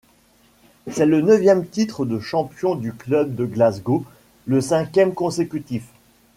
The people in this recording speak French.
C’est le neuvième titre de champion du club de Glasgow, le cinquième consécutif.